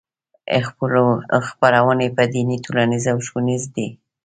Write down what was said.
خپرونې یې دیني ټولنیزې او ښوونیزې دي.